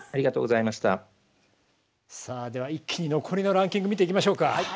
では一気に残りのランキング見ていきましょうか。